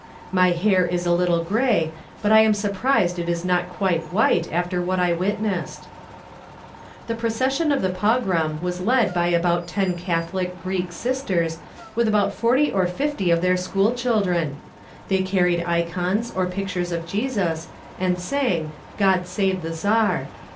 My hair is a little grey, but I am surprised it is not quite white after what I witnessed. The procession of the Pogrom was led by about ten Catholic (Greek) Sisters with about forty or fifty of their school children. They carried ikons or pictures of Jesus and sang "God Save the Tsar."